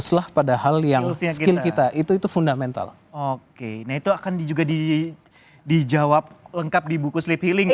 nah itu akan juga di jawab lengkap di buku sleepy ling ya